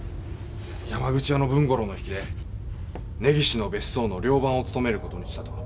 山口屋の文五郎の引きで根岸の別荘の寮番を勤める事にしたと。